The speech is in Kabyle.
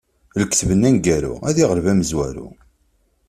Lekdeb-nni aneggaru ad iɣleb amezwaru.